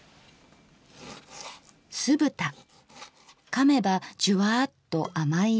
かめばジュワッと甘い味。